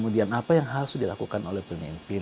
dan apa yang harus dilakukan oleh pemimpin